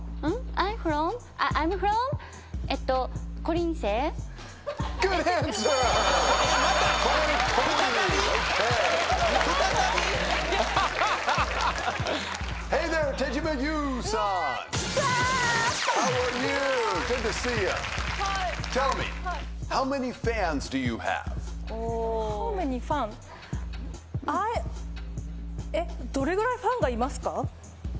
アイえっどれぐらいファンがいますか？